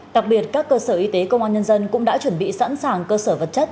đặc biệt các cơ sở y tế công an nhân dân cũng đã chuẩn bị sẵn sàng cơ sở vật chất